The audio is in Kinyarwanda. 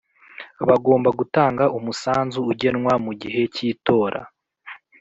Bagomba gutanga umusanzu ugenwa mu gihe kitora